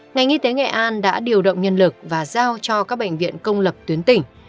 ngành y tế nghệ an đã điều động nhân lực và giao cho các bệnh viện công lập tuyến tỉnh